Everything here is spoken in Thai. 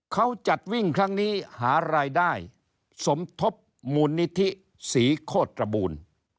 เขาจัดวิ่งครั้งนี้หารายได้สมทบมูลนิธิศรีโคตรตระบูล